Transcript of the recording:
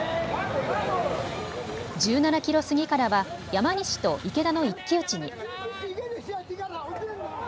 １７キロ過ぎからは山西と池田の一騎打ちに。